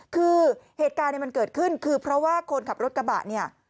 คือเหตุการณ์เนี่ยมันเกิดขึ้นคือเพราะว่าคนขับรถกระบะเนี่ย